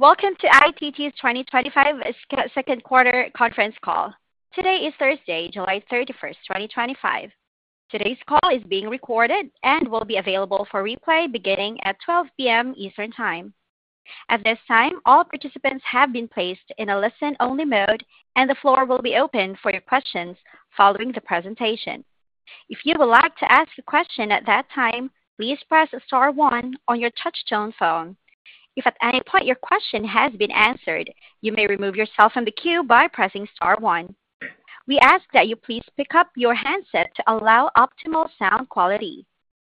Welcome to ITT's 2025 Second Quarter Conference Call. Today is Thursday, July 31st, 2025. Today's call is being recorded and will be available for replay beginning at 12:00 P.M. Eastern Time. At this time, all participants have been placed in a listen-only mode, and the floor will be open for your questions following the presentation. If you would like to ask a question at that time, please press Star one on your touch-tone phone. If at any point your question has been answered, you may remove yourself from the queue by pressing star one. We ask that you please pick up your handset to allow optimal sound quality.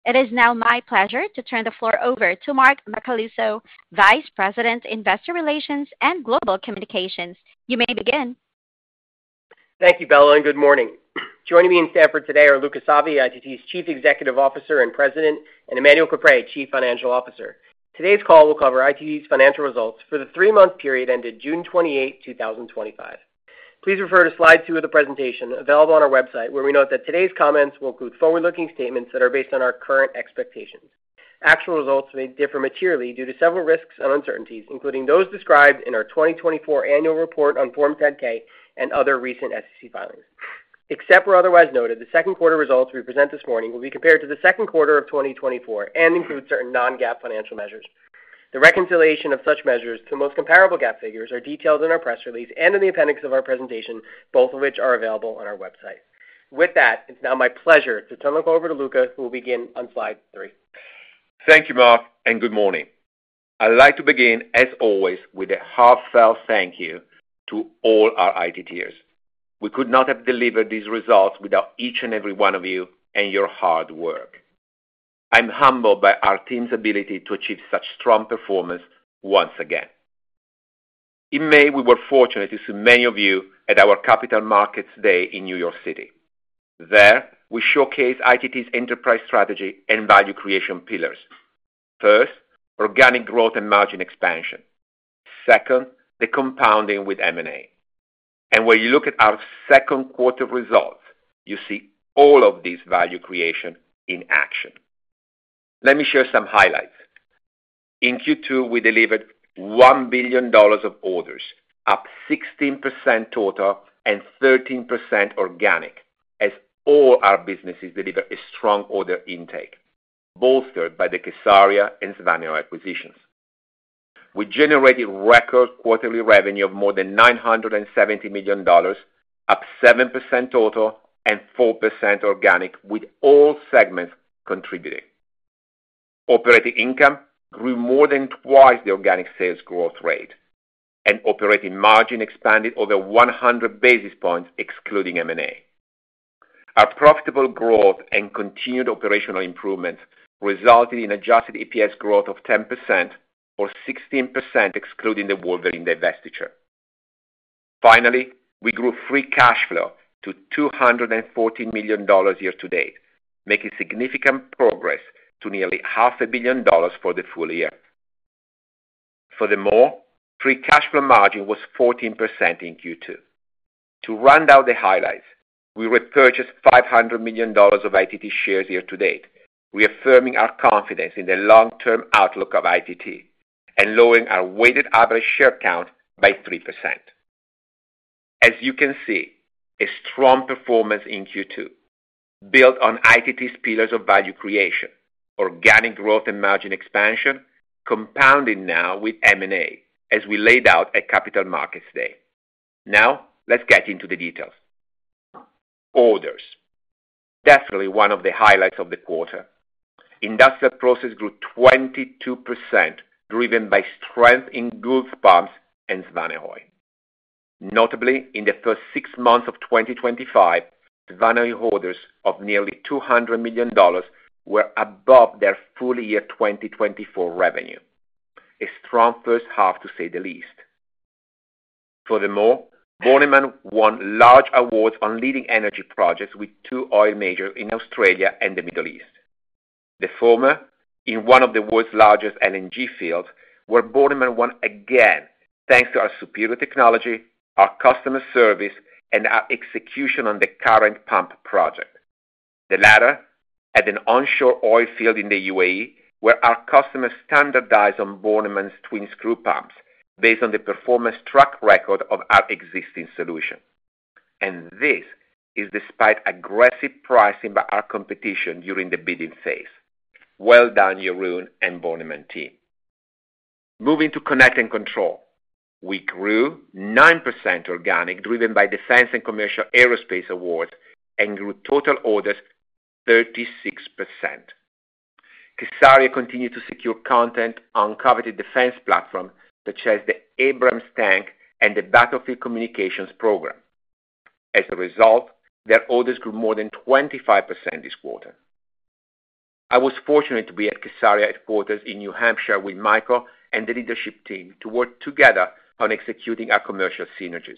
It is now my pleasure to turn the floor over to Mark Macaluso, Vice President, Investor Relations and Global Communications. You may begin. Thank you, Bella, and good morning. Joining me in Stamford today are Luca Savi, ITT's Chief Executive Officer and President, and Emmanuel Caprais, Chief Financial Officer. Today's call will cover ITT's financial results for the three-month period ended June 28, 2025. Please refer to slide two of the presentation available on our website, where we note that today's comments will include forward-looking statements that are based on our current expectations. Actual results may differ materially due to several risks and uncertainties, including those described in our 2024 annual report on Form 10-K and other recent SEC filings. Except for otherwise noted, the second quarter results we present this morning will be compared to the second quarter of 2024 and include certain non-GAAP financial measures. The reconciliation of such measures to the most comparable GAAP figures is detailed in our press release and in the appendix of our presentation, both of which are available on our website. With that, it's now my pleasure to turn the call over to Luca, who will begin on slide three. Thank you, Mark, and good morning. I'd like to begin, as always, with a heartfelt thank you to all our ITTers. We could not have delivered these results without each and every one of you and your hard work. I'm humbled by our team's ability to achieve such strong performance once again. In May, we were fortunate to see many of you at our Capital Markets Day in New York City. There, we showcased ITT's enterprise strategy and value creation pillars. First, organic growth and margin expansion. Second, the compounding with M&A. When you look at our second quarter results, you see all of this value creation in action. Let me share some highlights. In Q2, we delivered $1 billion of orders, up 16% total and 13% organic, as all our businesses delivered a strong order intake, bolstered by the kSARIA and Svanehøj acquisitions. We generated record quarterly revenue of more than $970 million, up 7% total and 4% organic, with all segments contributing. Operating income grew more than twice the organic sales growth rate, and operating margin expanded over 100 basis points, excluding M&A. Our profitable growth and continued operational improvements resulted in adjusted EPS growth of 10%, or 16% excluding the Wolverine divestiture. Finally, we grew free cash flow to $214 million year-to-date, making significant progress to nearly half a billion dollars for the full year. Furthermore, free cash flow margin was 14% in Q2. To round out the highlights, we repurchased $500 million of ITT shares year-to-date, reaffirming our confidence in the long-term outlook of ITT and lowering our weighted average share count by 3%. As you can see, a strong performance in Q2, built on ITT's pillars of value creation, organic growth, and margin expansion, compounding now with M&A, as we laid out at Capital Markets Day. Now, let's get into the details. Orders. Definitely one of the highlights of the quarter. Industrial Process grew 22%, driven by strength in Goulds Pumps and Svanehøj. Notably, in the first six months of 2025, Svanehøj orders of nearly $200 million were above their full year 2024 revenue. A strong first half, to say the least. Furthermore, Bornemann won large awards on leading energy projects with two oil majors in Australia and the Middle East. The former in one of the world's largest LNG fields, where Bornemann won again thanks to our superior technology, our customer service, and our execution on the current pump project. The latter at an onshore oil field in the U.A.E., where our customers standardized on Bornemann's twin screw pumps based on the performance track record of our existing solution. This is despite aggressive pricing by our competition during the bidding phase. Well done, Jörn Hein and Bornemann team. Moving to Connect and Control. We grew 9% organic, driven by Defense and Commercial Aerospace awards, and grew total orders 36%. kSARIA continued to secure content on coveted defense platforms such as the Abrams tank and the battlefield communications program. As a result, their orders grew more than 25% this quarter. I was fortunate to be at kSARIA headquarters in New Hampshire with Michael and the leadership team to work together on executing our commercial synergies.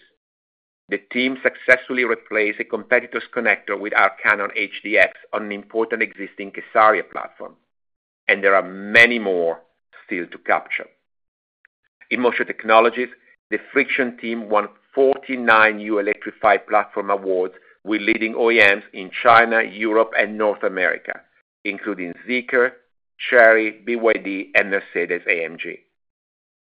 The team successfully replaced a competitor's connector with our Cannon HDx on an important existing kSARIA platform. There are many more still to capture. In Motion Technologies, the friction team won 49 new electrified platform awards with leading OEMs in China, Europe, and North America, including Zeekr, Chery, BYD, and Mercedes-AMG.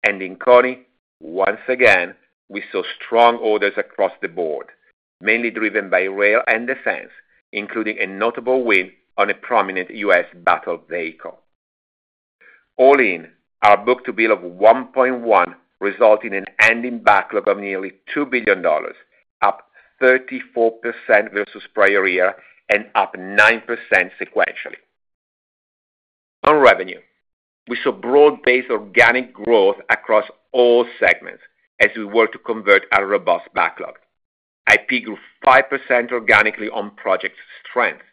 In Koni, once again, we saw strong orders across the board, mainly driven by rail and defense, including a notable win on a prominent U.S. battle vehicle. All in, our book-to-bill of 1.1 resulted in an ending backlog of nearly $2 billion, up 34% versus prior year and up 9% sequentially. On revenue, we saw broad-based organic growth across all segments as we worked to convert our robust backlog. IP grew 5% organically on project strength.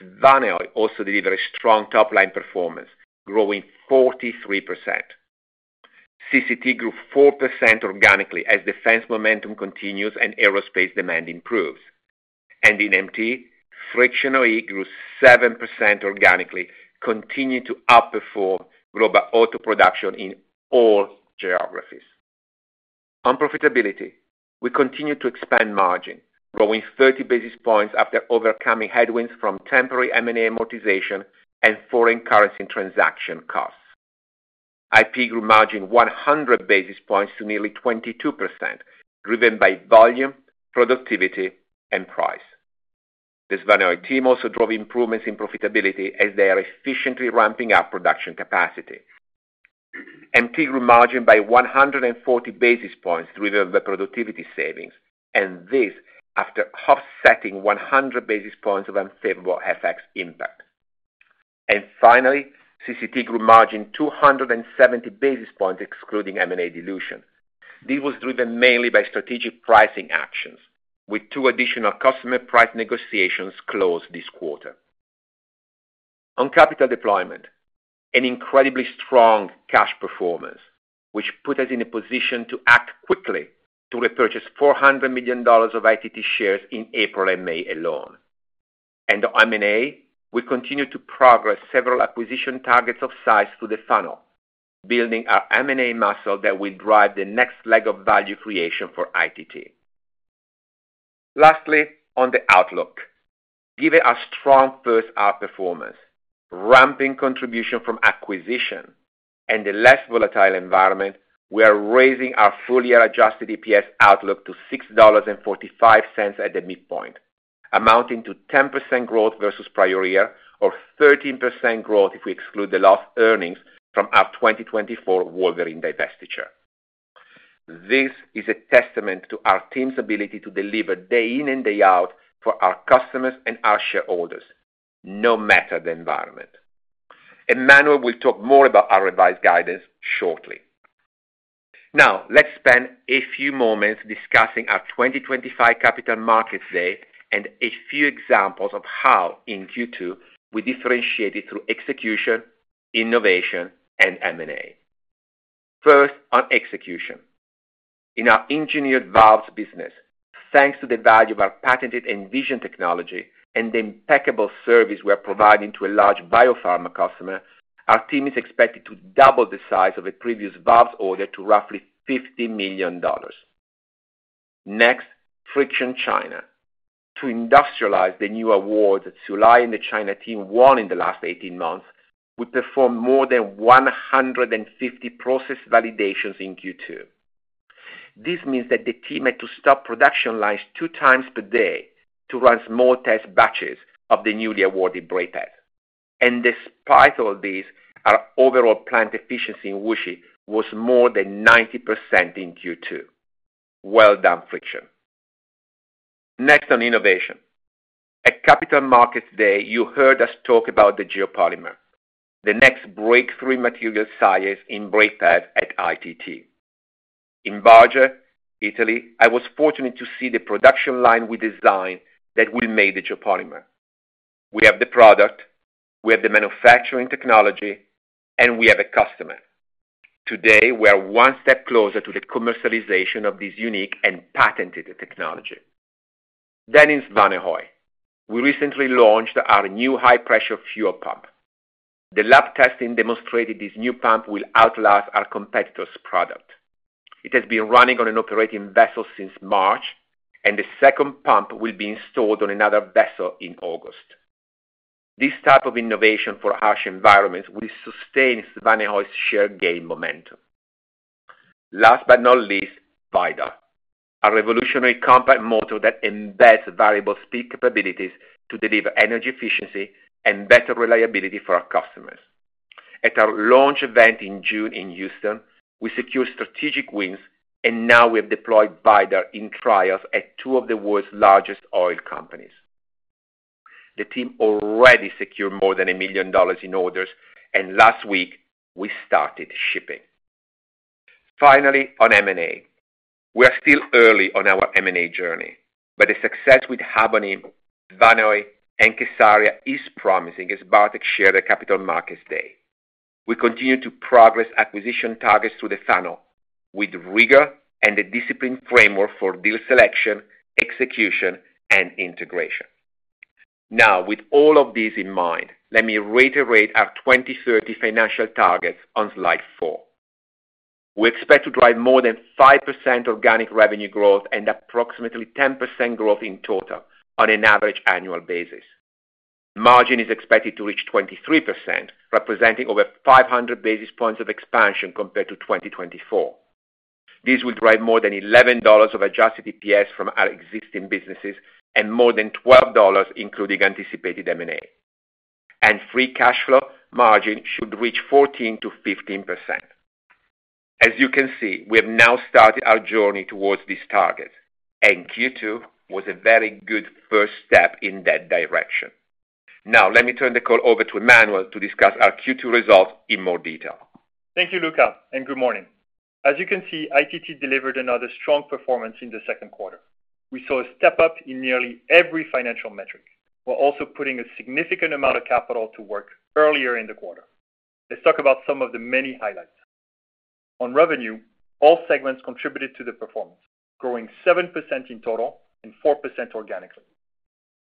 Svanehøj also delivered strong top-line performance, growing 43%. CCT grew 4% organically as defense momentum continues and aerospace demand improves. In MT, friction OE grew 7% organically, continuing to outperform global auto production in all geographies. On profitability, we continued to expand margin, growing 30 basis points after overcoming headwinds from temporary M&A amortization and foreign currency transaction costs. IP grew margin 100 basis points to nearly 22%, driven by volume, productivity, and price. The Svanehøj team also drove improvements in profitability as they are efficiently ramping up production capacity. MT grew margin by 140 basis points, driven by productivity savings, and this after offsetting 100 basis points of unfavorable FX impact. Finally, CCT grew margin 270 basis points, excluding M&A dilution. This was driven mainly by strategic pricing actions, with two additional customer price negotiations closed this quarter. On capital deployment, an incredibly strong cash performance, which put us in a position to act quickly to repurchase $400 million of ITT shares in April and May alone. On M&A, we continued to progress several acquisition targets of size through the funnel, building our M&A muscle that will drive the next leg of value creation for ITT. Lastly, on the outlook, given our strong first-half performance, ramping contribution from acquisition, and the less volatile environment, we are raising our full-year adjusted EPS outlook to $6.45 at the midpoint, amounting to 10% growth versus prior year, or 13% growth if we exclude the lost earnings from our 2024 Wolverine divestiture. This is a testament to our team's ability to deliver day in and day out for our customers and our shareholders, no matter the environment. Emmanuel will talk more about our revised guidance shortly. Now, let's spend a few moments discussing our 2025 Capital Markets Day and a few examples of how, in Q2, we differentiated through execution, innovation, and M&A. First, on execution. In our engineered valves business, thanks to the value of our patented EnviZion technology and the impeccable service we are providing to a large biopharma customer, our team is expected to double the size of a previous valves order to roughly $50 million. Next, friction China. To industrialize the new awards that Sula and the China team won in the last 18 months, we performed more than 150 process validations in Q2. This means that the team had to stop production lines two times per day to run small test batches of the newly awarded brake pads. Despite all this, our overall plant efficiency in Wuxi was more than 90% in Q2. Next, on innovation. At Capital Markets Day, you heard us talk about the geopolymer, the next breakthrough in material science in brake pads at ITT. In Barge, Italy, I was fortunate to see the production line we designed that will make the geopolymer. We have the product, we have the manufacturing technology, and we have a customer. Today, we are one step closer to the commercialization of this unique and patented technology. In Svanehøj, we recently launched our new high-pressure fuel pump. The lab testing demonstrated this new pump will outlast our competitor's product. It has been running on an operating vessel since March, and the second pump will be installed on another vessel in August. This type of innovation for harsh environments will sustain Svanehøj's share gain momentum. Last but not least, VIDAR, a revolutionary compact motor that embeds variable speed capabilities to deliver energy efficiency and better reliability for our customers. At our launch event in June in Houston, we secured strategic wins, and now we have deployed VIDAR in trials at two of the world's largest oil companies. The team already secured more than $1 million in orders, and last week, we started shipping. Finally, on M&A. We are still early on our M&A journey, but the success with Habonim, Svanehøj, and kSARIA is promising, as Bartek shared at Capital Markets Day. We continue to progress acquisition targets through the funnel with rigor and a disciplined framework for deal selection, execution, and integration. Now, with all of these in mind, let me reiterate our 2030 financial targets on slide four. We expect to drive more than 5% organic revenue growth and approximately 10% growth in total on an average annual basis. Margin is expected to reach 23%, representing over 500 basis points of expansion compared to 2024. This will drive more than $11 of adjusted EPS from our existing businesses and more than $12, including anticipated M&A. Free cash flow margin should reach 14% to 15%. As you can see, we have now started our journey towards these targets, and Q2 was a very good first step in that direction. Now, let me turn the call over to Emmanuel to discuss our Q2 results in more detail. Thank you, Luca, and good morning. As you can see, ITT delivered another strong performance in the second quarter. We saw a step-up in nearly every financial metric while also putting a significant amount of capital to work earlier in the quarter. Let's talk about some of the many highlights. On revenue, all segments contributed to the performance, growing 7% in total and 4% organically.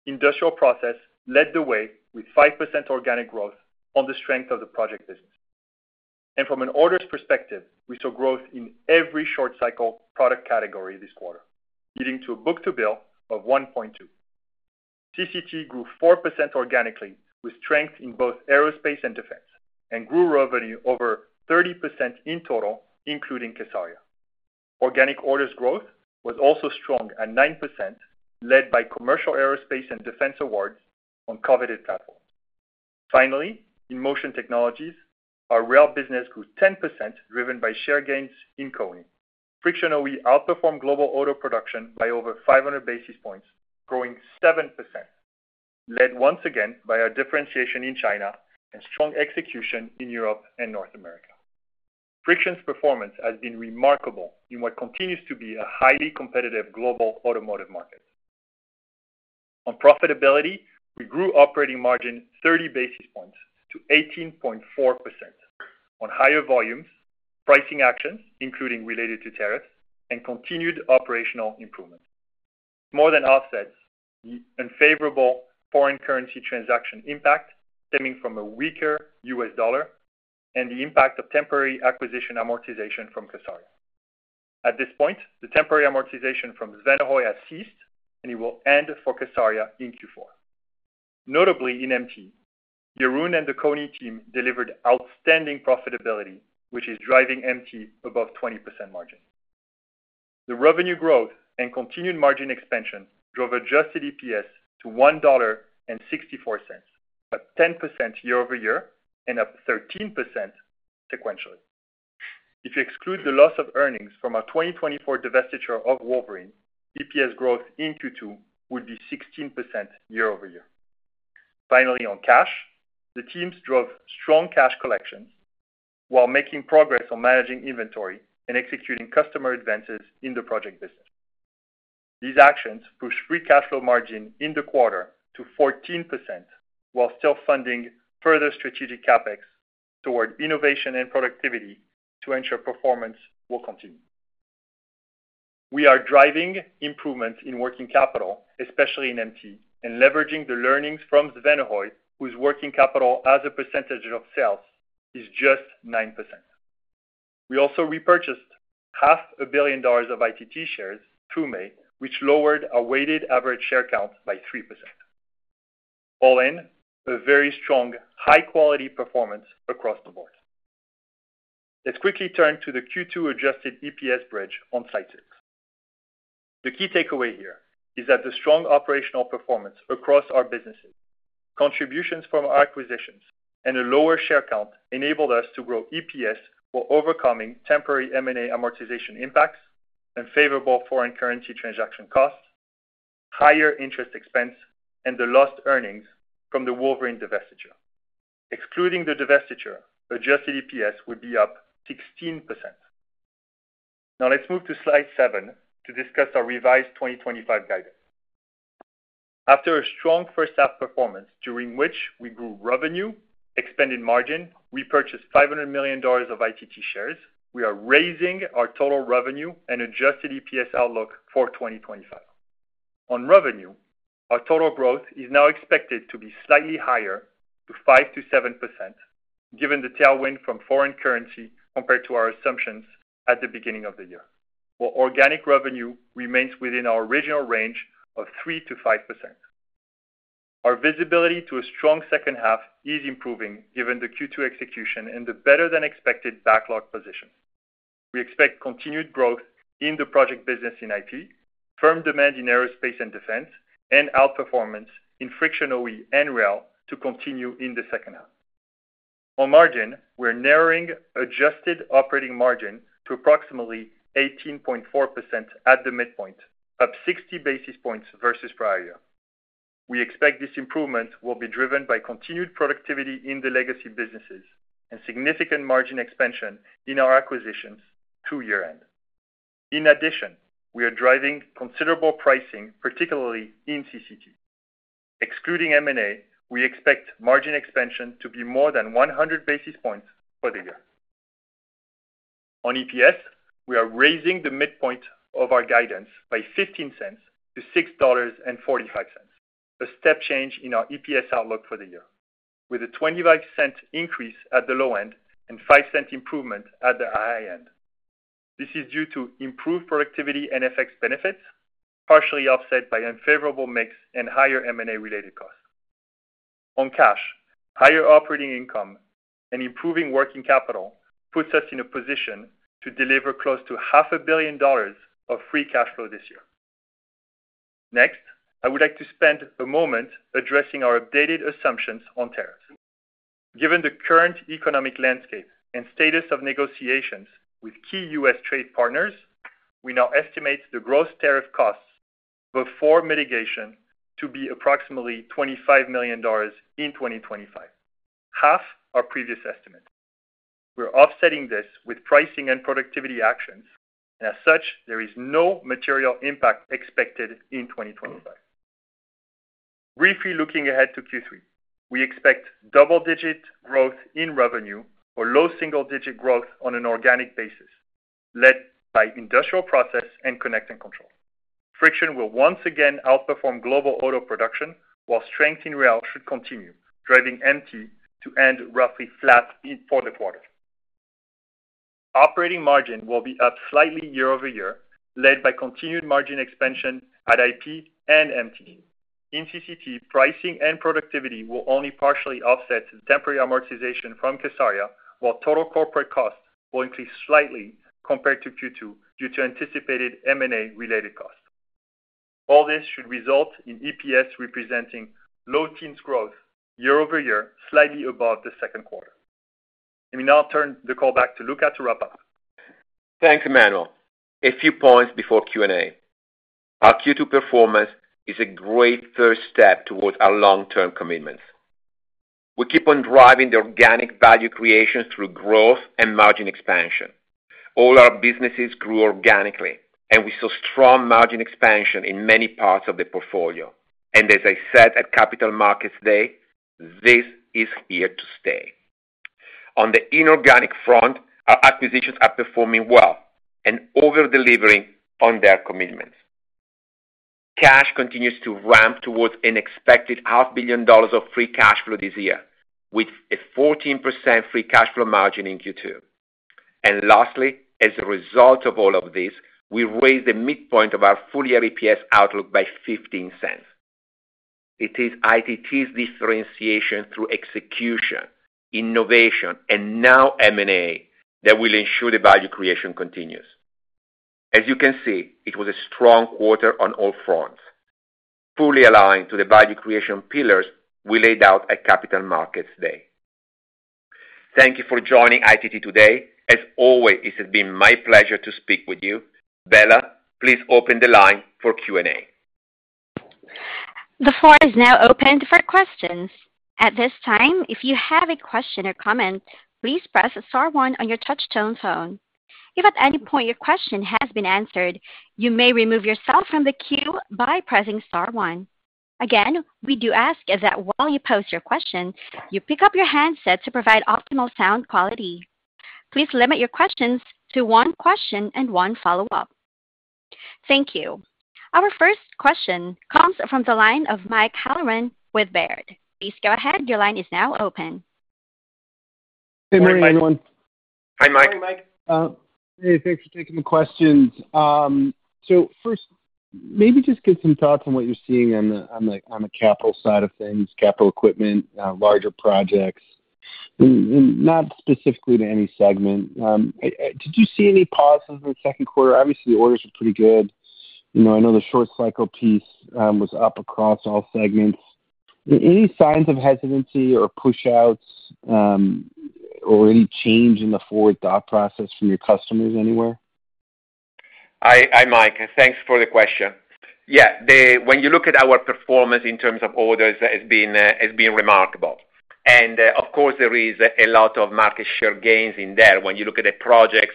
Industrial Process led the way with 5% organic growth on the strength of the project business. From an orders perspective, we saw growth in every short cycle product category this quarter, leading to a book-to-bill of 1.2. CCT grew 4% organically with strength in both aerospace and defense and grew revenue over 30% in total, including kSARIA. Organic orders growth was also strong at 9%, led by commercial aerospace and defense awards on coveted platforms. Finally, in Motion Technologies, our rail business grew 10%, driven by share gains in Koni. Friction OE outperformed global auto production by over 500 basis points, growing 7%, led once again by our differentiation in China and strong execution in Europe and North America. Friction's performance has been remarkable in what continues to be a highly competitive global automotive market. On profitability, we grew operating margin 30 basis points to 18.4% on higher volumes, pricing actions, including related to tariffs, and continued operational improvements. More than offsets the unfavorable foreign currency transaction impact stemming from a weaker U.S. dollar and the impact of temporary acquisition amortization from kSARIA. At this point, the temporary amortization from Svanehøj has ceased, and it will end for kSARIA in Q4. Notably, in MT, Jeroen and the Koni team delivered outstanding profitability, which is driving MT above 20% margin. The revenue growth and continued margin expansion drove adjusted EPS to $1.64, up 10% year-over-year and up 13% sequentially. If you exclude the loss of earnings from our 2024 divestiture of Wolverine, EPS growth in Q2 would be 16% year-over-year. Finally, on cash, the teams drove strong cash collections while making progress on managing inventory and executing customer advances in the project business. These actions pushed free cash flow margin in the quarter to 14% while still funding further strategic CapEx toward innovation and productivity to ensure performance will continue. We are driving improvements in working capital, especially in MT, and leveraging the learnings from Svanehøj, whose working capital as a percentage of sales is just 9%. We also repurchased half a billion dollars of ITT shares through May, which lowered our weighted average share count by 3%. All in, a very strong, high-quality performance across the board. Let's quickly turn to the Q2 adjusted EPS bridge on slide six. The key takeaway here is that the strong operational performance across our businesses, contributions from our acquisitions, and a lower share count enabled us to grow EPS while overcoming temporary M&A amortization impacts, unfavorable foreign currency transaction costs, higher interest expense, and the lost earnings from the Wolverine divestiture. Excluding the divestiture, adjusted EPS would be up 16%. Now, let's move to slide seven to discuss our revised 2025 guidance. After a strong first-half performance during which we grew revenue, expanded margin, and repurchased $500 million of ITT shares, we are raising our total revenue and adjusted EPS outlook for 2025. On revenue, our total growth is now expected to be slightly higher, to 5%-7%, given the tailwind from foreign currency compared to our assumptions at the beginning of the year, while organic revenue remains within our original range of 3% to 5%. Our visibility to a strong second half is improving, given the Q2 execution and the better-than-expected backlog position. We expect continued growth in the project business in ITT, firm demand in aerospace and defense, and outperformance in Friction OE and rail to continue in the second half. On margin, we're narrowing adjusted operating margin to approximately 18.4% at the midpoint, up 60 basis points versus prior year. We expect this improvement will be driven by continued productivity in the legacy businesses and significant margin expansion in our acquisitions to year-end. In addition, we are driving considerable pricing, particularly in CCT. Excluding M&A, we expect margin expansion to be more than 100 basis points for the year. On EPS, we are raising the midpoint of our guidance by $0.15-$6.45, a step change in our EPS outlook for the year, with a $0.25 increase at the low end and $0.05 improvement at the high end. This is due to improved productivity and FX benefits, partially offset by unfavorable mix and higher M&A-related costs. On cash, higher operating income and improving working capital puts us in a position to deliver close to $0.5 billion of free cash flow this year. Next, I would like to spend a moment addressing our updated assumptions on tariffs. Given the current economic landscape and status of negotiations with key U.S. trade partners, we now estimate the gross tariff costs before mitigation to be approximately $25 million in 2025, half our previous estimate. We're offsetting this with pricing and productivity actions, and as such, there is no material impact expected in 2025. Briefly looking ahead to Q3, we expect double-digit growth in revenue or low single-digit growth on an organic basis, led by Industrial Process and Connect and Control. Friction will once again outperform global auto production, while strength in rail should continue, driving MT to end roughly flat for the quarter. Operating margin will be up slightly year-over-year, led by continued margin expansion at IP and MT. In CCT, pricing and productivity will only partially offset the temporary amortization fromkSARIA, while total corporate costs will increase slightly compared to Q2 due to anticipated M&A-related costs. All this should result in EPS representing low teens growth year-over-year, slightly above the second quarter. Let me now turn the call back to Luca to wrap up. Thanks, Emmanuel. A few points before Q&A. Our Q2 performance is a great first step towards our long-term commitments. We keep on driving the organic value creation through growth and margin expansion. All our businesses grew organically, and we saw strong margin expansion in many parts of the portfolio. As I said at Capital Markets Day, this is here to stay. On the inorganic front, our acquisitions are performing well and over-delivering on their commitments. Cash continues to ramp towards an expected half billion dollars of free cash flow this year, with a 14% free cash flow margin in Q2. Lastly, as a result of all of this, we raised the midpoint of our full-year EPS outlook by $0.15. It is ITT's differentiation through execution, innovation, and now M&A that will ensure the value creation continues. As you can see, it was a strong quarter on all fronts, fully aligned to the value creation pillars we laid out at Capital Markets Day. Thank you for joining ITT today. As always, it has been my pleasure to speak with you. Bella, please open the line for Q&A. The floor is now open for questions. At this time, if you have a question or comment, please press Star one on your touch-tone phone. If at any point your question has been answered, you may remove yourself from the queue by pressing star one. Again, we do ask that while you post your question, you pick up your handset to provide optimal sound quality. Please limit your questions to one question and one follow-up. Thank you. Our first question comes from the line of Mike Halloran with Baird. Please go ahead. Your line is now open. Hey everyone. Hi, Mike. Hey, Mike. Hey, thanks for taking the questions. First, maybe just get some thoughts on what you're seeing on the capital side of things, capital equipment, larger projects. Not specifically to any segment. Did you see any pauses in the second quarter? Obviously, the orders were pretty good. I know the short cycle piece was up across all segments. Any signs of hesitancy or push-outs, or any change in the forward thought process from your customers anywhere? Hi, Mike. Thanks for the question. When you look at our performance in terms of orders, it's been remarkable. Of course, there is a lot of market share gains in there when you look at the projects,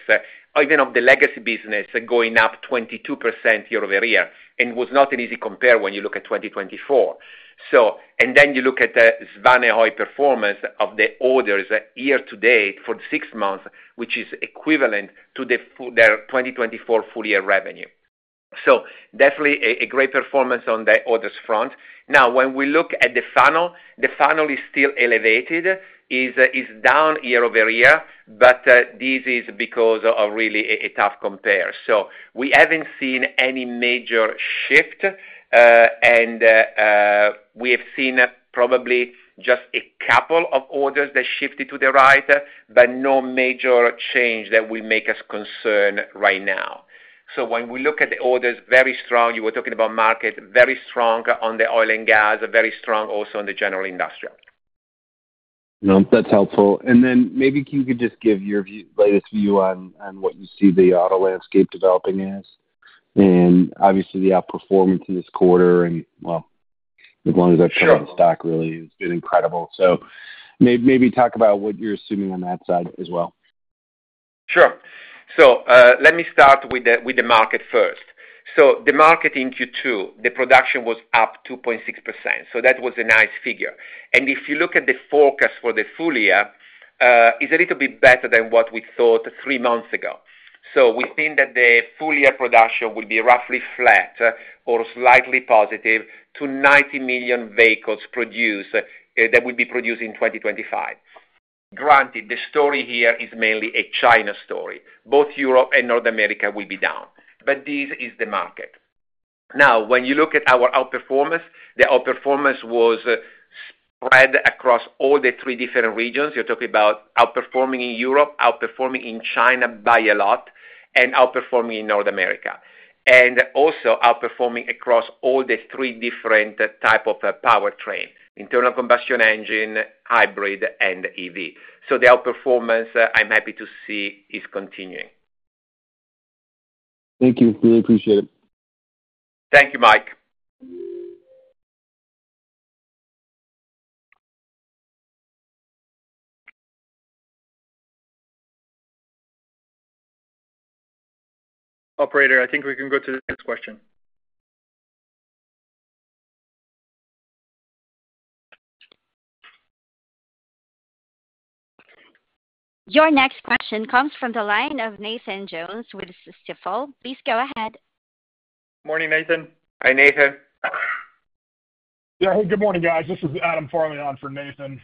even of the legacy business, going up 22% year-over-year. It was not an easy compare when you look at 2024. Then you look at the Svanehøj performance of the orders year to date for the six months, which is equivalent to their 2024 full-year revenue. Definitely a great performance on the orders front. Now, when we look at the funnel, the funnel is still elevated. It's down year-over-year, but this is because of really a tough compare. We haven't seen any major shift. We have seen probably just a couple of orders that shifted to the right, but no major change that will make us concerned right now. When we look at the orders, very strong. You were talking about market, very strong on the oil and gas, very strong also on the general industrial. That's helpful. Maybe you could just give your latest view on what you see the auto landscape developing as. Obviously, the outperformance in this quarter, and as long as I've covered the stock, really, it's been incredible. Maybe talk about what you're assuming on that side as well. Sure Let me start with the market first. The market in Q2, the production was up 2.6%. That was a nice figure. If you look at the forecast for the full year, it's a little bit better than what we thought three months ago. We think that the full-year production will be roughly flat or slightly positive to 90 million vehicles produced that will be produced in 2025. Granted, the story here is mainly a China story. Both Europe and North America will be down. This is the market. When you look at our outperformance, the outperformance was spread across all the three different regions. You're talking about outperforming in Europe, outperforming in China by a lot, and outperforming in North America. Also outperforming across all the three different types of powertrain: internal combustion engine, hybrid, and EV. The outperformance, I'm happy to see, is continuing. Thank you. Really appreciate it. Thank you, Mike. I think we can go to the next question. Your next question comes from the line of Nathan Jones with Stifel. Please go ahead. Morning, Nathan. Hi, Nathan. Yeah. Hey, good morning, guys. This is Adam Farley on for Nathan.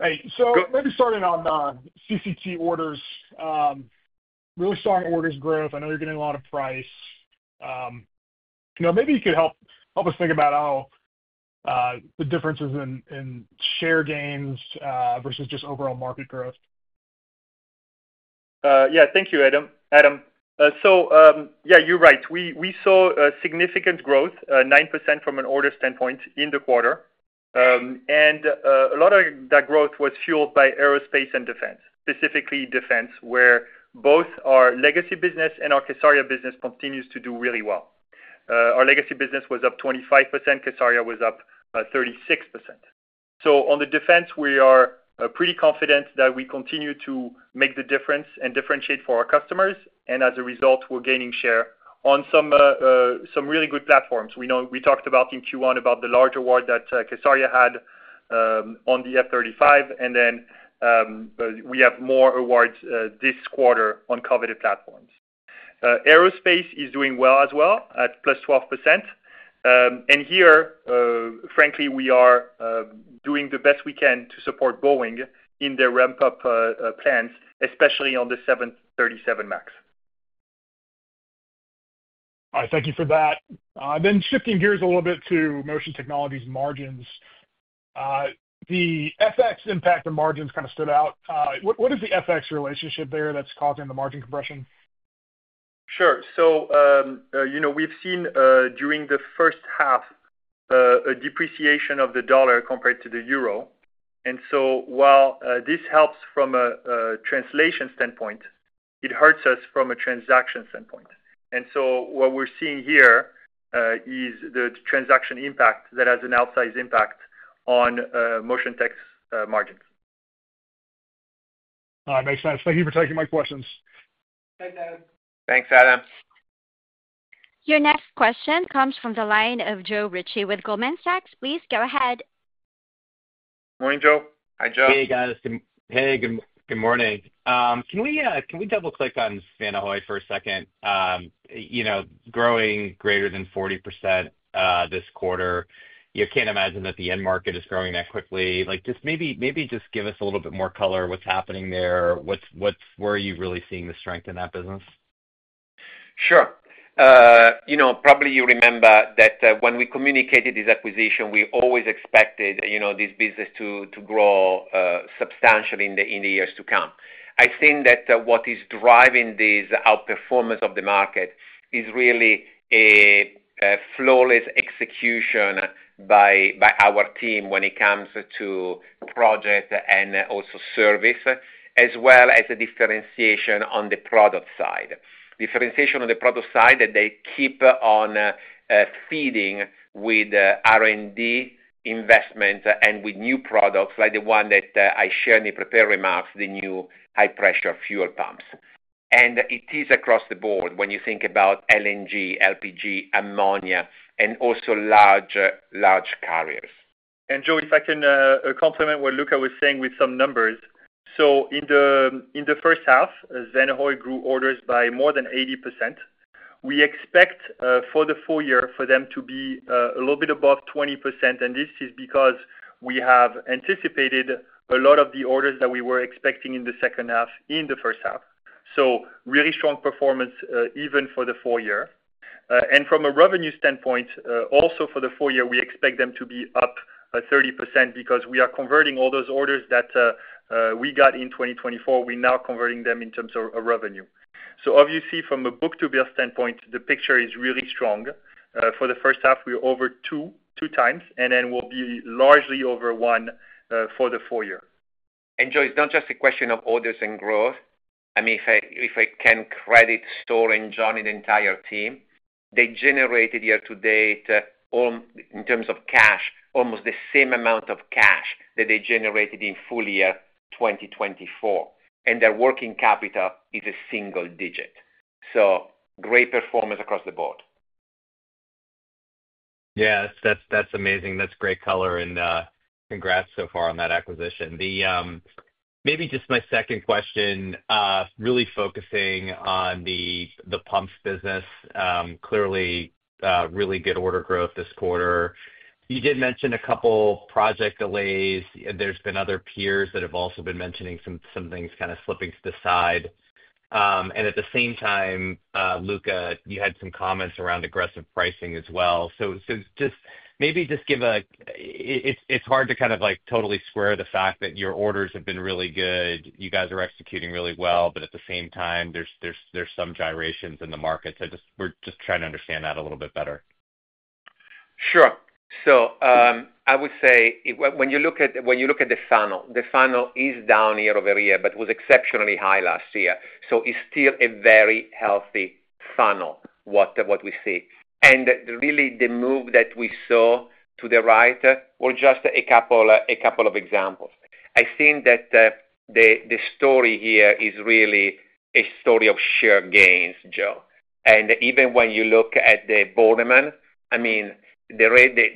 Hey, Adam. Hey. Maybe starting on CCT orders. Really strong orders growth. I know you're getting a lot of price. Maybe you could help us think about how the differences in share gains versus just overall market growth. Yeah. Thank you, Adam. Adam, you're right. We saw significant growth, 9% from an order standpoint, in the quarter. A lot of that growth was fueled by aerospace and defense, specifically defense, where both our legacy business and our kSARIA business continues to do really well. Our legacy business was up 25%. kSARIA was up 36%. On the defense, we are pretty confident that we continue to make the difference and differentiate for our customers. As a result, we're gaining share on some really good platforms. We talked in Q1 about the large award that kSARIA had on the F-35. We have more awards this quarter on coveted platforms. Aerospace is doing well as well at plus 12%. Here, frankly, we are doing the best we can to support Boeing in their ramp-up plans, especially on the 737 MAX. All right. Thank you for that. Shifting gears a little bit to Motion Technologies' margins. The FX impact on margins kind of stood out. What is the FX relationship there that's causing the margin compression? Sure. We've seen during the first half a depreciation of the dollar compared to the euro. While this helps from a translation standpoint, it hurts us from a transaction standpoint. What we're seeing here is the transaction impact that has an outsized impact on Motion Tech's margins. All right Makes sense. Thank you for taking my questions. Thanks, Adam. Thanks, Adam. Your next question comes from the line of Joe Ritchie with Goldman Sachs. Please go ahead. Morning, Joe Hi, Joe. Hey, guys. Hey, good morning. Can we double-click on Svanehøj for a second? Growing greater than 40% this quarter. You can't imagine that the end market is growing that quickly. Maybe just give us a little bit more color of what's happening there. Where are you really seeing the strength in that business? Sure. Probably you remember that when we communicated this acquisition, we always expected this business to grow substantially in the years to come. I think that what is driving this outperformance of the market is really a flawless execution by our team when it comes to. Project and also service, as well as a differentiation on the product side. Differentiation on the product side that they keep on feeding with R&D investment and with new products like the one that I shared in the prepared remarks, the new high-pressure fuel pumps. It is across the board when you think about LNG, LPG, ammonia, and also large carriers. Joe, if I can complement what Luca was saying with some numbers. In the first half, Svanehøj grew orders by more than 80%. We expect for the full year for them to be a little bit above 20%. This is because we have anticipated a lot of the orders that we were expecting in the second half in the first half. Really strong performance even for the full year. From a revenue standpoint, also for the full year, we expect them to be up 30% because we are converting all those orders that we got in 2024. We're now converting them in terms of revenue. Obviously, from a book-to-build standpoint, the picture is really strong. For the first half, we're over two times, and then we'll be largely over one for the full year. Joe, it's not just a question of orders and growth. If I can credit Søren and John and the entire team, they generated year to date in terms of cash almost the same amount of cash that they generated in full year 2024. Their working capital is a single digit. Great performance across the board. Yeah. That's amazing. That's great color. Congrats so far on that acquisition. Maybe just my second question, really focusing on the pumps business. Clearly, really good order growth this quarter. You did mention a couple of project delays. There have been other peers that have also been mentioning some things kind of slipping to the side. At the same time, Luca, you had some comments around aggressive pricing as well. Maybe just give a—it’s hard to kind of totally square the fact that your orders have been really good. You guys are executing really well. At the same time, there's some gyrations in the market. We're just trying to understand that a little bit better. Sure. I would say when you look at the funnel, the funnel is down year over year but was exceptionally high last year. It's still a very healthy funnel, what we see. The move that we saw to the right were just a couple of examples. I think that the story here is really a story of share gains, Joe. Even when you look at the Bornemann,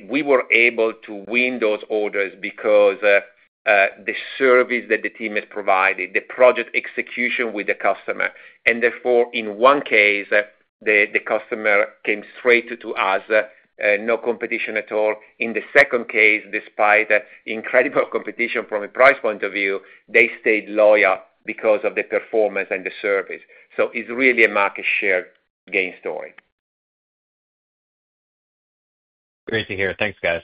we were able to win those orders because the service that the team has provided, the project execution with the customer. In one case, the customer came straight to us, no competition at all. In the second case, despite incredible competition from a price point of view, they stayed loyal because of the performance and the service. It is really a market share gain story. Great to hear. Thanks, guys.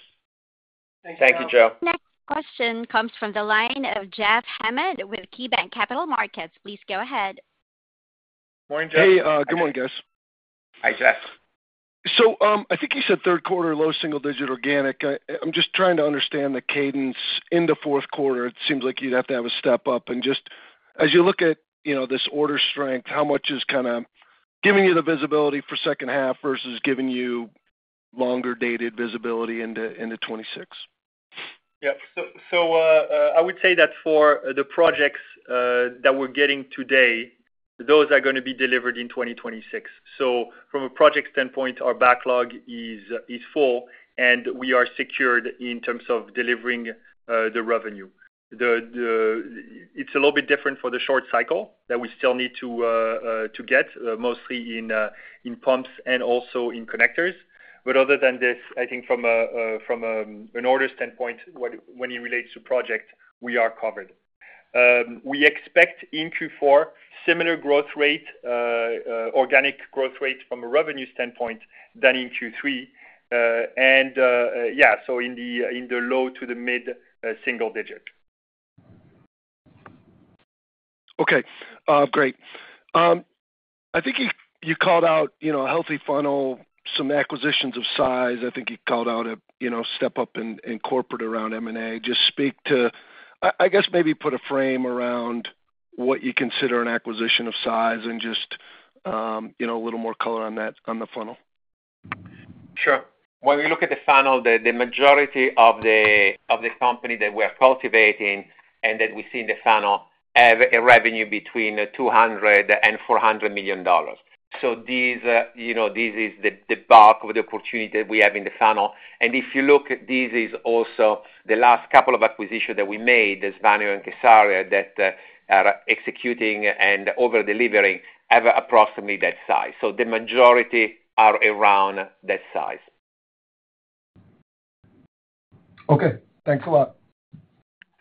Thank you, Joe. Next question comes from the line of Jeff Hammond with KeyBanc Capital Markets. Please go ahead. Morning, Jeff. Hey. Good morning, guys. Hi, Jeff. I think you said third quarter low, single-digit organic. I'm just trying to understand the cadence in the fourth quarter. It seems like you'd have to have a step up. As you look at this order strength, how much is kind of giving you the visibility for second half versus giving you longer-dated visibility into 2026? Yep. I would say that for the projects that we're getting today, those are going to be delivered in 2026. From a project standpoint, our backlog is full, and we are secured in terms of delivering the revenue. It's a little bit different for the short cycle that we still need to get, mostly in pumps and also in connectors. Other than this, I think from an order standpoint, when it relates to projects, we are covered. We expect in Q4 similar growth rate, organic growth rate from a revenue standpoint than in Q3. Yeah, in the low to the mid single digit. Okay. Great. I think you called out a healthy funnel, some acquisitions of size. I think you called out a step up in corporate around M&A. Just speak to I guess maybe put a frame around what you consider an acquisition of size and just a little more color on the funnel. Sure When we look at the funnel, the majority of the company that we are cultivating and that we see in the funnel have a revenue between $200 million and $400 million. This is the bulk of the opportunity that we have in the funnel. If you look, this is also the last couple of acquisitions that we made Svanehøj and kSARIA that are executing and over-delivering, have approximately that size. The majority are around that size. Okay. Thanks a lot.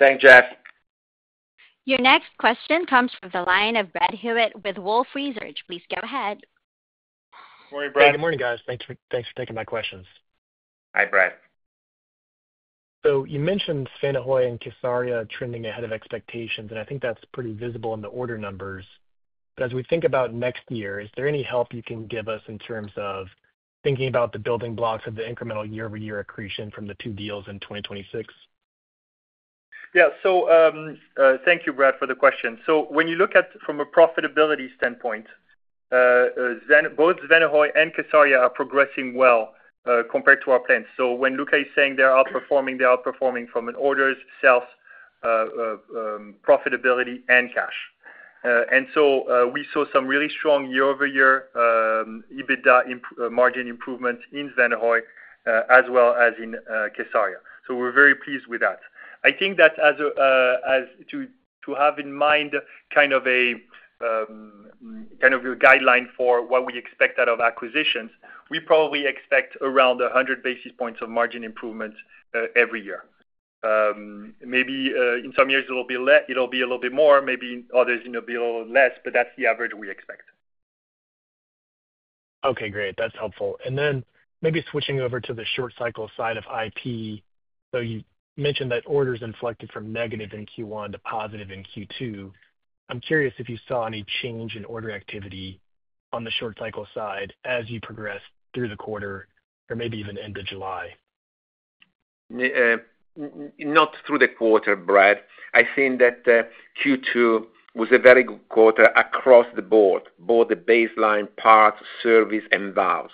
Thanks, Jeff. Your next question comes from the line of Brad Hewitt with Wolfe Research. Please go ahead. Good morning, Brad. Hey, good morning, guys. Thanks for taking my questions. Hi, Brad. You mentioned Svanehøj and kSARIA trending ahead of expectations, and I think that's pretty visible in the order numbers. As we think about next year, is there any help you can give us in terms of thinking about the building blocks of the incremental year-over-year accretion from the two deals in 2026? Thank you, Brad, for the question. When you look at it from a profitability standpoint, both Svanehøj and kSARIA are progressing well compared to our plans. When Luca is saying they're outperforming, they're outperforming from an orders, sales, profitability, and cash perspective. We saw some really strong year-over-year EBITDA margin improvements in Svanehøj as well as in kSARIA. We're very pleased with that. To have in mind kind of your guideline for what we expect out of acquisitions, we probably expect around 100 basis points of margin improvement every year. Maybe in some years, it'll be a little bit more, maybe in others, it'll be a little less, but that's the average we expect. That's helpful Maybe switching over to the short cycle side of IP. You mentioned that orders inflected from negative in Q1 to positive in Q2. I'm curious if you saw any change in order activity on the short cycle side as you progressed through the quarter or maybe even into July. Not through the quarter, Brad. Q2 was a very good quarter across the board, both the baseline parts, service, and valves,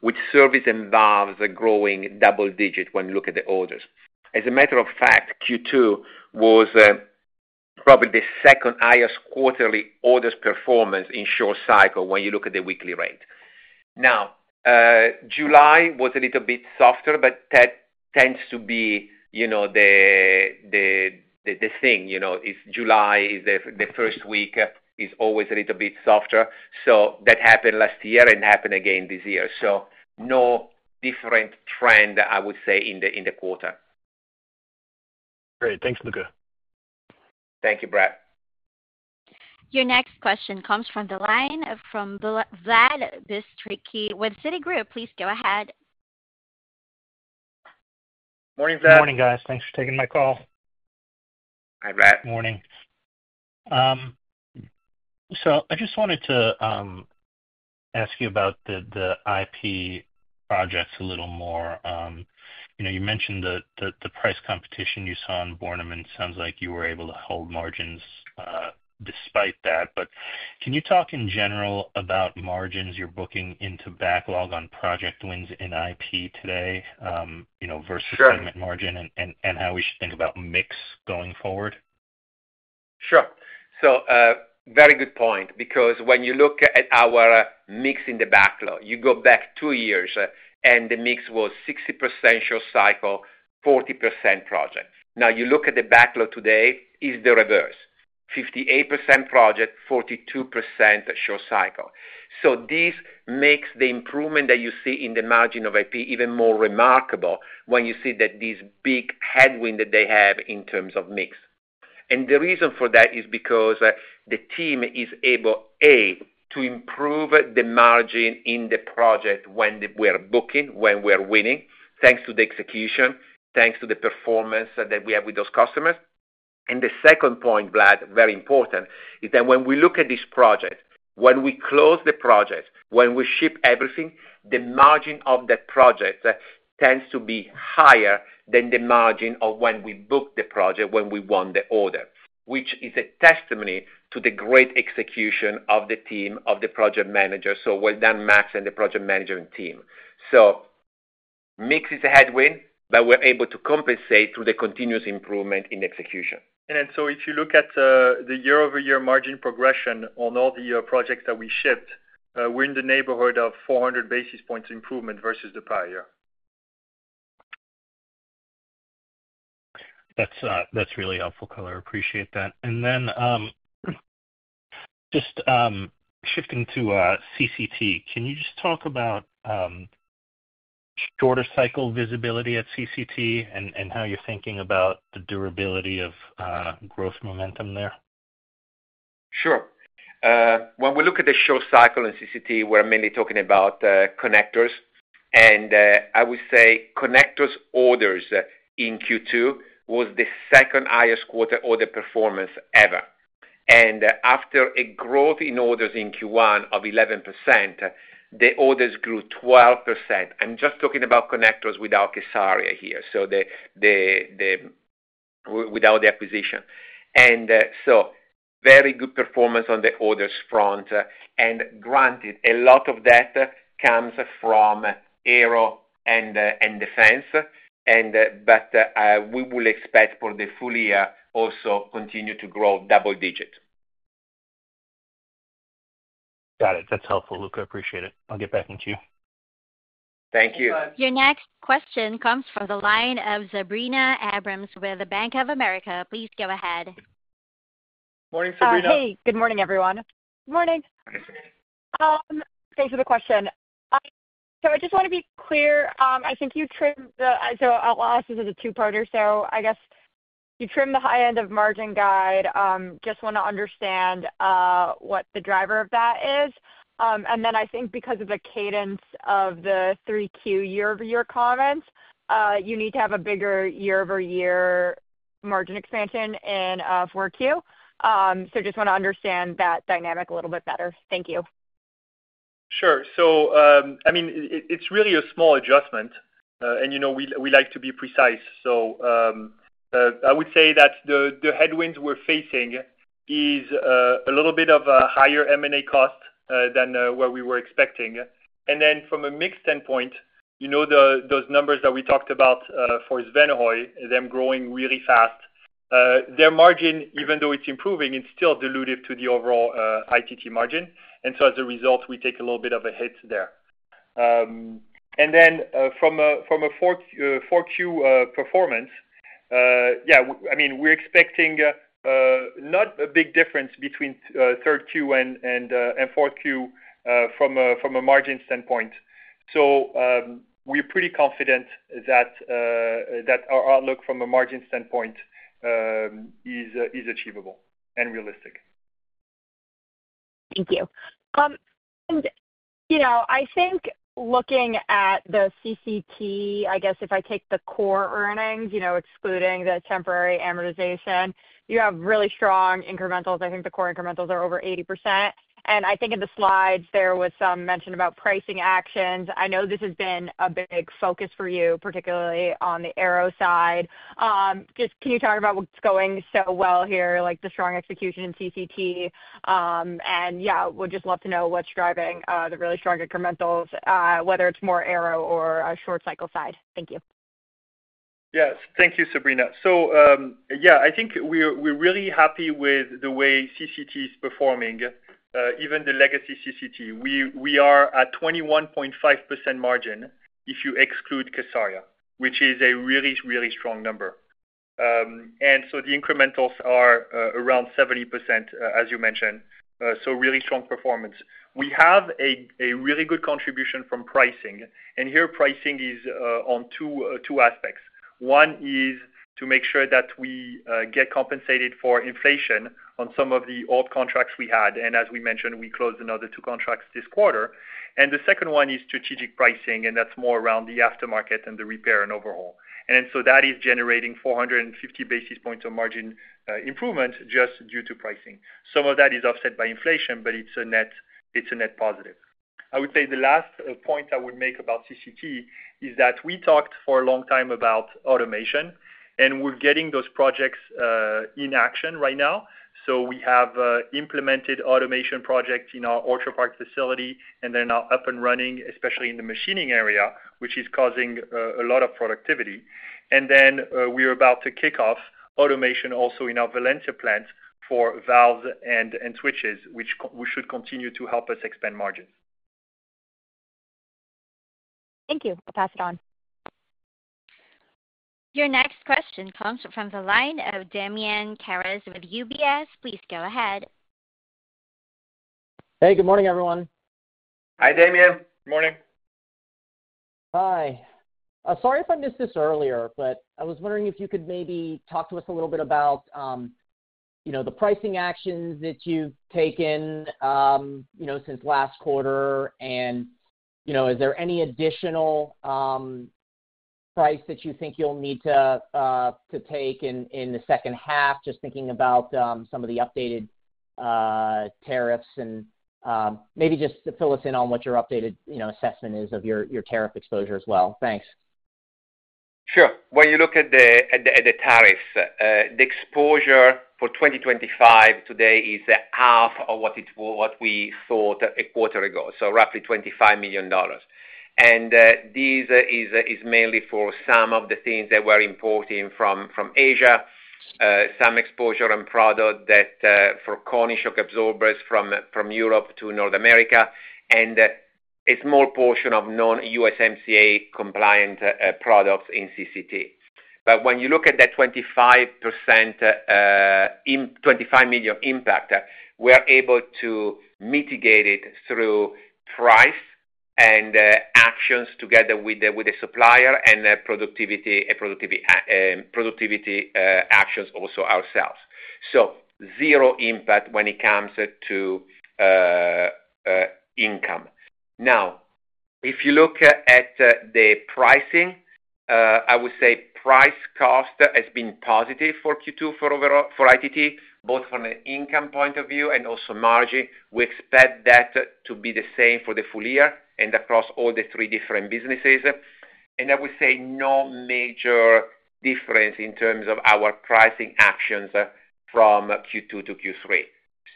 which service and valves are growing double-digit when you look at the orders. As a matter of fact, Q2 was probably the second highest quarterly orders performance in short cycle when you look at the weekly rate. July was a little bit softer, but that tends to be the thing. It's July; the first week is always a little bit softer. That happened last year and happened again this year. No different trend, I would say, in the quarter. Great. Thanks, Luca. Thank you, Brad. Your next question comes from the line of Vlad Bystricky with Citigroup. Please go ahead. Morning, Brad. Good morning, guys. Thanks for taking my call. Hi, Brad. Morning. I just wanted to ask you about the IP projects a little more. You mentioned the price competition you saw in Bornemann. It sounds like you were able to hold margins despite that. Can you talk in general about margins you're booking into backlog on project wins in IP today versus segment margin and how we should think about mix going forward? Sure. Very good point because when you look at our mix in the backlog, you go back two years, and the mix was 60% short cycle, 40% project. Now, you look at the backlog today, it's the reverse: 58% project, 42% short cycle. This makes the improvement that you see in the margin of IP even more remarkable when you see that this big headwind that they have in terms of mix. The reason for that is because the team is able, A, to improve the margin in the project when we're booking, when we're winning, thanks to the execution, thanks to the performance that we have with those customers. The second point, Vlad, very important, is that when we look at this project, when we close the project, when we ship everything, the margin of that project tends to be higher than the margin of when we book the project, when we won the order, which is a testimony to the great execution of the team, of the project manager. Well done, Max, and the project management team. Mix is a headwind, but we're able to compensate through the continuous improvement in execution. If you look at the year-over-year margin progression on all the projects that we shipped, we're in the neighborhood of 400 basis points improvement versus the prior year. That's really helpful color. I appreciate that. Just shifting to CCT, can you talk about shorter cycle visibility at CCT and how you're thinking about the durability of growth momentum there? Sure. When we look at the short cycle in CCT, we're mainly talking about connectors. I would say connectors orders in Q2 was the second highest quarter order performance ever. After a growth in orders in Q1 of 11%, the orders grew 12%. I'm just talking about connectors without kSARIA here, so without the acquisition. Very good performance on the orders front. Granted, a lot of that comes from aero and defense, but we will expect for the full year also continue to grow double-digit. Got it. That's helpful, Luca. I appreciate it. I'll get back in with you. Thank you. Your next question comes from the line of Sabrina Abrams with the Bank of America. Please go ahead. Morning, Sabrina. Hi. Good morning, everyone. Good morning. Thanks for the question. I just want to be clear. I think you trimmed the—so I'll ask this as a two-parter. I guess you trimmed the high-end of margin guide. Just want to understand what the driver of that is. I think because of the cadence of the 3Q year-over-year comments, you need to have a bigger year-over-year margin expansion in 4Q. I just want to understand that dynamic a little bit better. Thank you. Sure. It's really a small adjustment, and we like to be precise. I would say that the headwinds we're facing are a little bit of a higher M&A cost than what we were expecting. From a mix standpoint, those numbers that we talked about for Svanehøj, them growing really fast, their margin, even though it's improving, is still dilutive to the overall ITT margin. As a result, we take a little bit of a hit there. From a 4Q performance, we're expecting not a big difference between third Q and fourth Q from a margin standpoint. We're pretty confident that our outlook from a margin standpoint is achievable and realistic. Thank you. I think looking at the CCT, if I take the core earnings, excluding the temporary amortization, you have really strong incrementals. I think the core incrementals are over 80%. In the slides, there was some mention about pricing actions. I know this has been a big focus for you, particularly on the Aero side. Can you talk about what's going so well here, like the strong execution in CCT? I'd love to know what's driving the really strong incrementals, whether it's more Aero or a short-cycle side. Thank you. Yes. Thank you, Sabrina. We're really happy with the way CCT is performing, even the legacy CCT. We are at 21.5% margin if you exclude kSARIA, which is a really, really strong number. The incrementals are around 70%, as you mentioned, so really strong performance. We have a really good contribution from pricing. Here, pricing is on two aspects. One is to make sure that we get compensated for inflation on some of the old contracts we had. As we mentioned, we closed another two contracts this quarter. The second one is strategic pricing, and that's more around the aftermarket and the repair and overhaul. That is generating 450 basis points of margin improvement just due to pricing. Some of that is offset by inflation, but it's a net positive. The last point I would make about CCT is that we talked for a long time about automation, and we're getting those projects in action right now. We have implemented automation projects in our Orchard Park facility, and they're now up and running, especially in the machining area, which is causing a lot of productivity. We are about to kick off automation also in our Valencia plant for valves and switches, which should continue to help us expand margins. Thank you. I'll pass it on. Your next question comes from the line of Damian Karas with UBS. Please go ahead. Hey, good morning, everyone. Hi, Damian. Good morning. Hi. Sorry if I missed this earlier, but I was wondering if you could maybe talk to us a little bit about the pricing actions that you've taken since last quarter, and is there any additional price that you think you'll need to take in the second half, just thinking about some of the updated tariffs and maybe just to fill us in on what your updated assessment is of your tariff exposure as well. Thanks. Sure. When you look at the tariffs, the exposure for 2025 today is half of what we thought a quarter ago, so roughly $25 million. This is mainly for some of the things that we're importing from Asia, some exposure on product for Koni shock absorbers from Europe to North America, and a small portion of non-USMCA compliant products in CCT. When you look at that $25 million impact, we're able to mitigate it through price and actions together with the supplier and productivity actions also ourselves. Zero impact when it comes to income. If you look at the pricing, I would say price cost has been positive for Q2 for ITT, both from an income point of view and also margin. We expect that to be the same for the full year and across all the three different businesses. I would say no major difference in terms of our pricing actions from Q2 to Q3.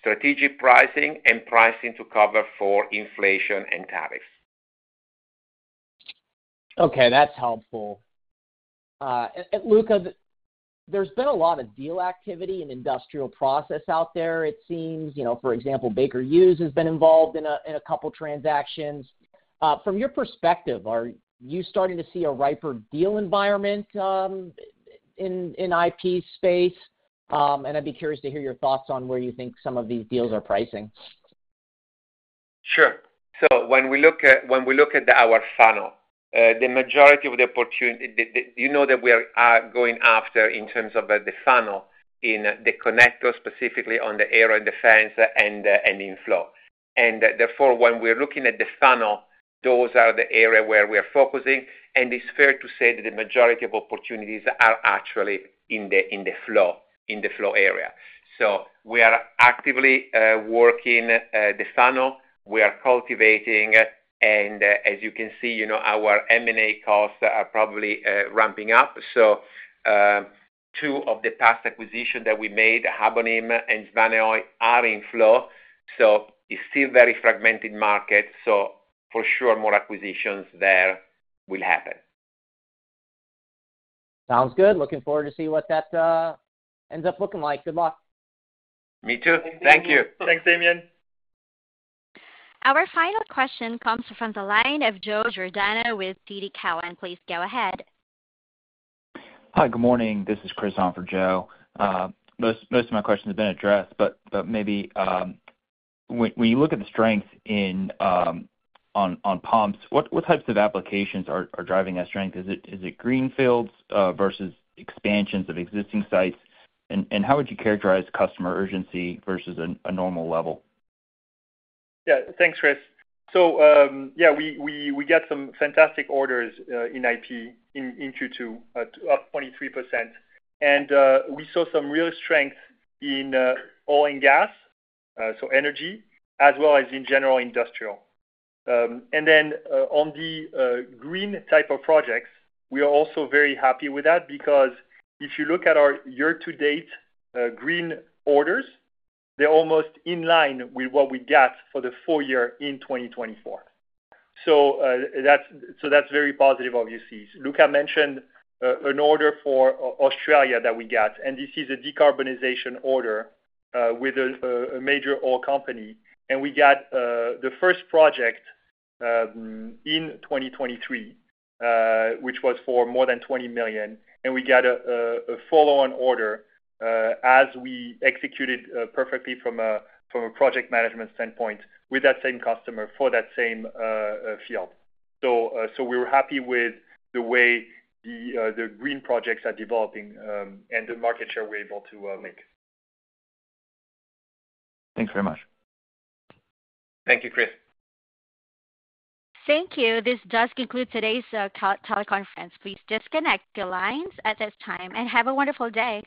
Strategic pricing and pricing to cover for inflation and tariffs. That's helpful. Luca, there's been a lot of deal activity in industrial process out there, it seems. For example, Baker Hughes has been involved in a couple of transactions. From your perspective, are you starting to see a riper deal environment in IP space? I'd be curious to hear your thoughts on where you think some of these deals are pricing. Sure. When we look at our funnel, the majority of the opportunity you know that we are going after in terms of the funnel in the connector, specifically on the Aero and Defense and in flow. Therefore, when we're looking at the funnel, those are the areas where we are focusing. It's fair to say that the majority of opportunities are actually in the flow area. We are actively working the funnel. We are cultivating. As you can see, our M&A costs are probably ramping up. Two of the past acquisitions that we made, Habonim and Svanehøj, are in flow. It's still a very fragmented market. For sure, more acquisitions there will happen. Sounds good. Looking forward to seeing what that ends up looking like. Good luck. Me too. Thank you. Thanks, Damian. Our final question comes from the line of Joe Giordano with TD Cowen. Please go ahead. Hi, good morning. This is Chris on for Joe. Most of my questions have been addressed, but maybe when you look at the strength on pumps, what types of applications are driving that strength? Is it greenfields versus expansions of existing sites? How would you characterize customer urgency versus a normal level? Yeah. Thanks, Chris. We got some fantastic orders in IP in Q2, up 23%. We saw some real strength in oil and gas, so energy, as well as in general industrial. On the green type of projects, we are also very happy with that because if you look at our year-to-date green orders, they're almost in line with what we got for the full year in 2024. That's very positive, obviously. Luca mentioned an order for Australia that we got. This is a decarbonization order with a major oil company. We got the first project in 2023, which was for more than $20 million. We got a follow-on order as we executed perfectly from a project management standpoint with that same customer for that same field. We were happy with the way the green projects are developing and the market share we're able to make. Thanks very much. Thank you, Chris. Thank you. This does conclude today's teleconference. Please disconnect your lines at this time and have a wonderful day.